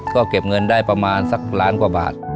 ก็เก็บเงินได้ประมาณสักล้านกว่าบาท